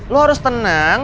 lo harus tenang